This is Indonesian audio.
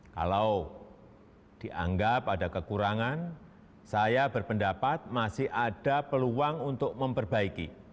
kalau dianggap ada kekurangan saya berpendapat masih ada peluang untuk memperbaiki